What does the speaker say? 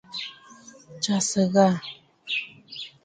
Tsyàsə̀ ghâ.